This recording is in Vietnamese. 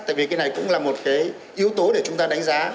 tại vì cái này cũng là một cái yếu tố để chúng ta đánh giá